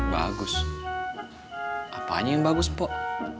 bagus apa aja yang bagus mpok